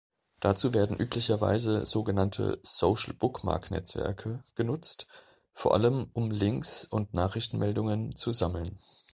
Dazu werden üblicherweise sogenannte "Social-Bookmark-Netzwerke" genutzt, vor allem, um Links und Nachrichtenmeldungen zu sammeln.